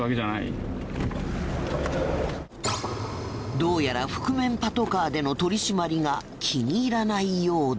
どうやら覆面パトカーでの取り締まりが気に入らないようで。